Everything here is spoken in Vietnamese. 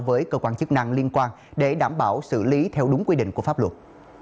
với cơ quan chức năng liên quan để đảm bảo xử lý theo đúng quy định của pháp luật